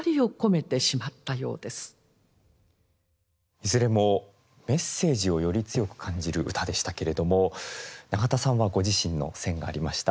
いずれもメッセージをより強く感じる歌でしたけれども永田さんはご自身の選がありました。